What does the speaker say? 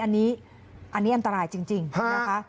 อันนี้อันนี้อันตรายจริงนะคะ